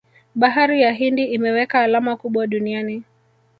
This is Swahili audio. bahari ya hindi imeweka alama kubwa duniani